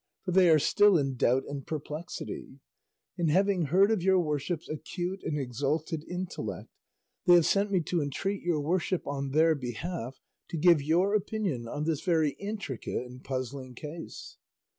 For they are still in doubt and perplexity; and having heard of your worship's acute and exalted intellect, they have sent me to entreat your worship on their behalf to give your opinion on this very intricate and puzzling case."